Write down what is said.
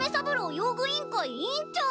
用具委員会委員長！